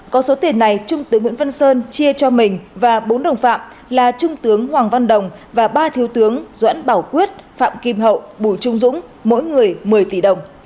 có số tiền này trung tướng nguyễn văn sơn chia cho mình và bốn đồng phạm là trung tướng hoàng văn đồng và ba thiếu tướng doãn bảo quyết phạm kim hậu bùi trung dũng mỗi người một mươi tỷ đồng